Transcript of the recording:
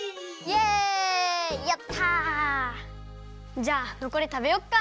じゃあのこりたべよっか。